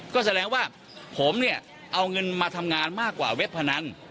ก็แสดงว่าผมเนี่ยเอาเงินมาทำงานมากกว่าเว็บพนัน